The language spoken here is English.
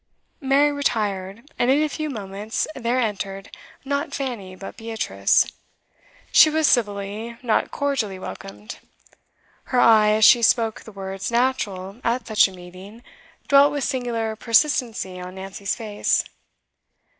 Mary retired, and in a few moments there entered, not Fanny, but Beatrice. She was civilly, not cordially, welcomed. Her eye, as she spoke the words natural at such a meeting, dwelt with singular persistency on Nancy's face.